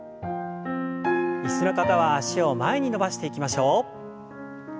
椅子の方は脚を前に伸ばしていきましょう。